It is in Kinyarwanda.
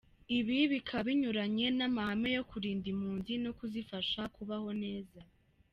Ibi bikaba binyuranye n’amahame yo kurinda impunzi no kuzifasha kubaho neza.